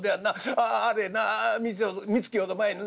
あああれな店を３つきほど前のな